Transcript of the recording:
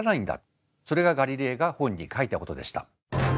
それがガリレイが本に書いたことでした。